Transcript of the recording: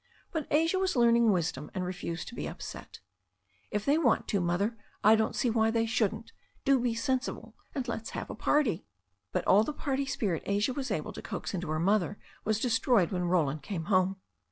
But Asia was learning wisdom, and refused to be upset. "If they want to. Mother, I don't see why they shouldn't. Do be sensible, and let's have a party." But all the party spirit Asia was able to coax into her mother was destroyed when Roland came home.